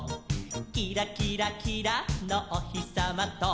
「キラキラキラのおひさまと」